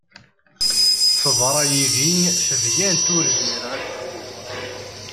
Teḍra yidi tedyant ur zmireɣ ad ḥkuɣ.